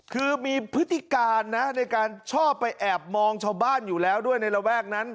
คือมีพฤติการนะในการชอบไปแอบมองชาวบ้านอยู่แล้วด้วยในระแวกนั้น